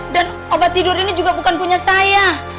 dan obat tidur ini juga bukan punya saya